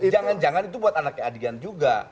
jangan jangan itu buat anak keadilan juga